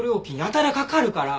やたらかかるから。